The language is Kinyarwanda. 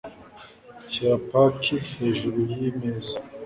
Shyira paki hejuru yimeza.